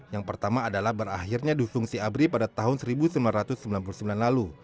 yang pertama adalah berakhirnya dufungsi abri pada tahun seribu sembilan ratus sembilan puluh sembilan lalu